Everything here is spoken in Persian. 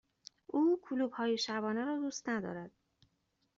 او کلوپ های شبانه را دوست ندارد.